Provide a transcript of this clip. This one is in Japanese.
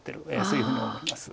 そういうふうに思います。